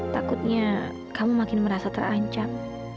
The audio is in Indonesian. takutnya kamu makin merasa terancam